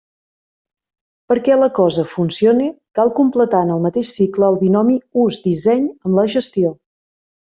Perquè la cosa «funcione», cal completar en el mateix cicle el binomi ús-disseny amb la gestió.